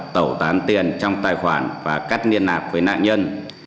tẩu tán tiền trong tài khoản và cắt liên lạc với nạn nhân